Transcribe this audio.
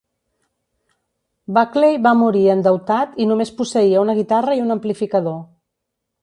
Buckley va morir endeutat i només posseïa una guitarra i un amplificador.